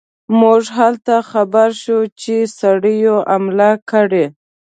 موږ هلته خبر شو چې سړیو حمله کړې.